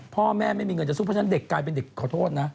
พ่อแม่ไม่มีเงินจะสู้เพราะฉะนั้นเด็กกลายเป็นเด็กขอโทษนะ